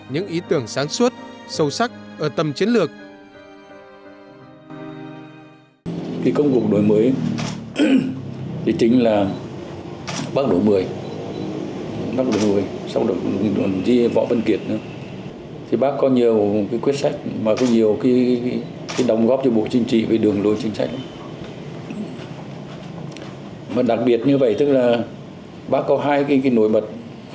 vững vàng sáng suốt sâu sắc ở tầm chiến lược